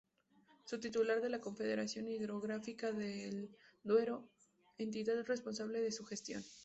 Su titular es la Confederación Hidrográfica del Duero, entidad responsable de su gestión.